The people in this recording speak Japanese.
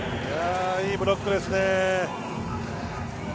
いいブロックですね。